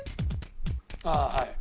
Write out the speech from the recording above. ああはい。